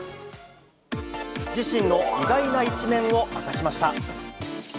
自身の意外な一面を明かしました。